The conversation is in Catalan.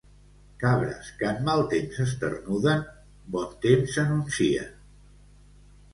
Cabres que en mal temps esternuden, bon temps anuncien.